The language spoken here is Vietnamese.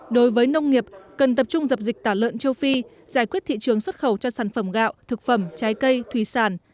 đối với nông nghiệp cần tập trung dập dịch tả lợn châu phi giải quyết thị trường xuất khẩu cho sản phẩm gạo thực phẩm trái cây thủy sản